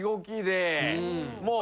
もう